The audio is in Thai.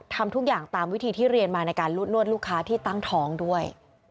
ทำทุกอย่างตามวิธีที่เรียนมาในการลุดนวดลูกค้าที่ตั้งท้องด้วย